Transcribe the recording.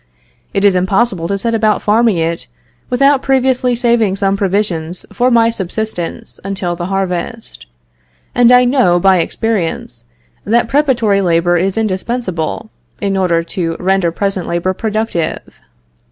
It is impossible to set about farming it, without previously saving some provisions for my subsistence until the harvest; and I know, by experience, that preparatory labor is indispensable, in order to render present labor productive."